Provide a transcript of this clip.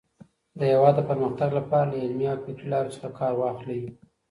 د هېواد د پرمختګ لپاره له علمي او فکري لارو څخه کار واخلئ.